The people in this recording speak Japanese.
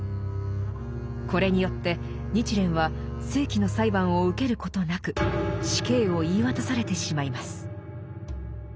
これによって日蓮は正規の裁判を受けることなく死刑を言い渡されてしまいます。